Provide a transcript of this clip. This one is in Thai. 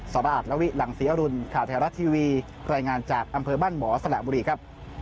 สวัสดีครับสวัสดีครับ